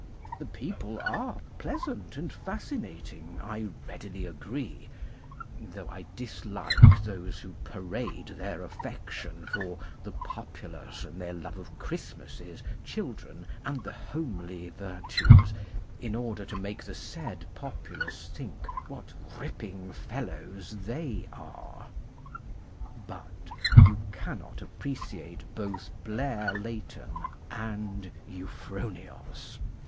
The people are pleasant and fascinating, I readily agree, though I dislike those who parade their affec tion for the populace, and their love of Christmasses, children, and the homely virtues in order to make the said populace think what ripping fellows they THE PUBLIC AS ART CRITIC 249 are. But you cannot appreciate both Blair Leighton and Euphronios.